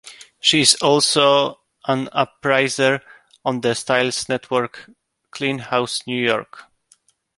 She is also an appraiser on the Style Network's "Clean House New York".